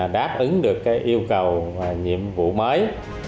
đáp ứng được yêu cầu và nhiệm vụ mới